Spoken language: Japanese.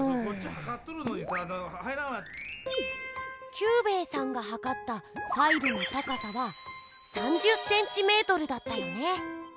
キュウベイさんがはかったファイルの高さは３０ｃｍだったよね。